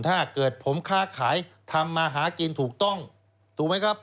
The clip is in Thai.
ถ้าเกิดผมค้าขายทำมาหากินถูกต้องถูกไหมครับ